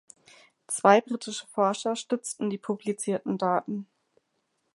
Zwei britische Forscher stützten die publizierten Daten.